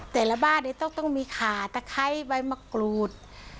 แต่ละบ้านต้องมีขาตะไคร้ใบมะกรูด